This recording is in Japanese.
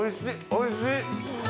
おいしい！